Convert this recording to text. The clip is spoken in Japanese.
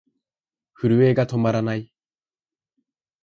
震えが止まらない。